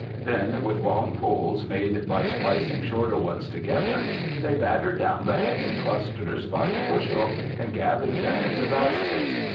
Then with long poles made by splic ing shorter ones together, they battered down the hanging clusters by the bushel, and gathered them into baskets.